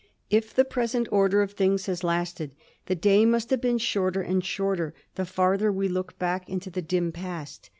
If the present order of things has lasted, the day must have been shorter and shorter the farther we look back into the dim past.